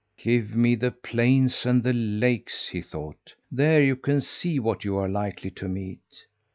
"Give me the plains and the lakes!" he thought. "There you can see what you are likely to meet.